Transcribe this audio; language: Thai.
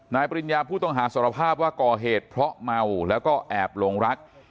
ปริญญาผู้ต้องหาสารภาพว่าก่อเหตุเพราะเมาแล้วก็แอบหลงรัก